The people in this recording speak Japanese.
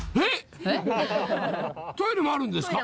トイレもあるんですか？